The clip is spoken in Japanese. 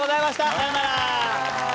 さようなら。